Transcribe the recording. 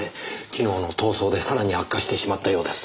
昨日の逃走でさらに悪化してしまったようです。